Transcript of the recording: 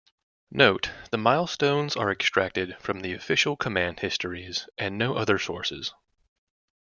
Note: the milestones are extracted from the official command histories and no other sources.